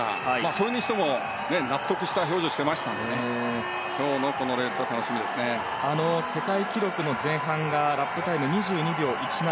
それにしても、納得した表情をしていましたので世界記録の前半のラップタイム２２秒１７。